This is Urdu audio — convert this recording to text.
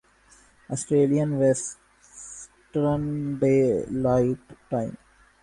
Australian western daylight time